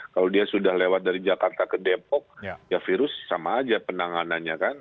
kalau dia sudah lewat dari jakarta ke depok ya virus sama aja penanganannya kan